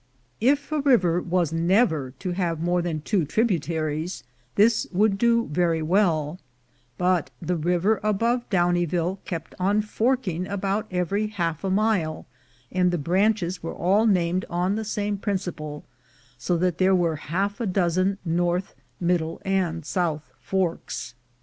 If a river was never to have more than two tribu taries, this would do very well, but the river above Downieville kept on forking about every half a mile, and the branches were all named on the same prin ciple, so that there were half a dozen north, middle, and south forks.